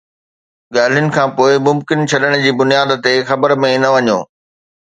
ڳالهين کانپوءِ ممڪن ڇڏڻ جي بنياد تي خبرن ۾ نه وڃو